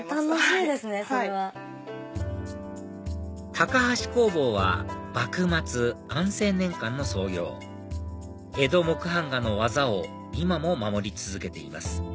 高橋工房は幕末安政年間の創業江戸木版画の技を今も守り続けています